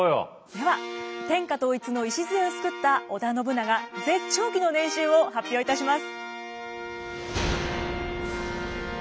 では天下統一の礎を作った織田信長絶頂期の年収を発表いたします。